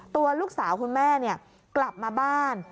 ตัวลูกสาวคุณแม่กลับมาบ้าน